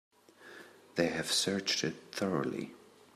They have searched it thoroughly.